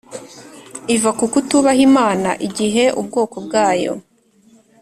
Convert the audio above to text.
iva kukutubaha imana igihe ubwoko bwayo